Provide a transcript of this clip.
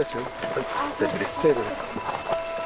・はい大丈夫です。